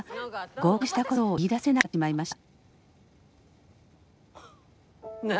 合格したことを言いだせなくなってしまいました。